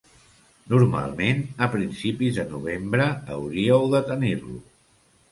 Normalment a principis de novembre hauríeu de tenir-lo.